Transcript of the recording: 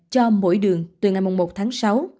cho mỗi đường từ ngày mồng một tháng sáu